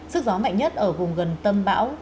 sức gió mạnh nhất ở vùng gần tâm bão